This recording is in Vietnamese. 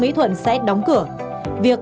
mỹ thuận sẽ đóng cửa việc